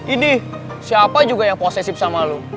ini siapa juga yang possessif sama lu